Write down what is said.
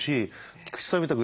菊池さんみたく